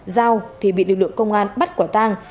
giao thì bị lực lượng công an bắt quả tang